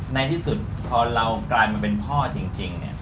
ในที่สุดพอเรากลายมาเป็นพ่อจริงเนี่ย